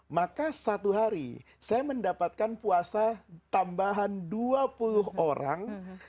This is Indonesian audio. maka satu hari saya mendapatkan puasa tambahan dua puluh orang